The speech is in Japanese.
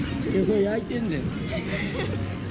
焼いてるんだよ。